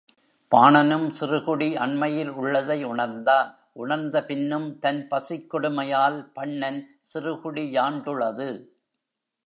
பாணனும் சிறுகுடி அண்மையில் உள்ளதை உணர்ந்தான் உணர்ந்த பின்னும், தன் பசிக்கொடுமையால், பண்ணன் சிறுகுடி யாண்டுளது?